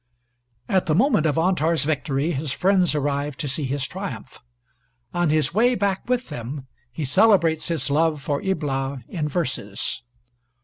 [At the moment of Antar's victory his friends arrive to see his triumph. On his way back with them he celebrates his love for Ibla in verses.